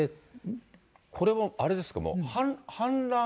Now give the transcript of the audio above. これはあれですか。